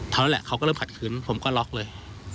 เท่านั้นแหละเขาก็เริ่มผลัดขึ้นผมก็ล็อคเลย